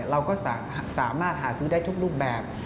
เราก็สามารถหาซื้อได้ทุกรูปแบบ